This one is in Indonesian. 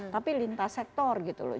tapi lintas sektor gitu loh